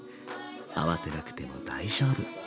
慌てなくても大丈夫。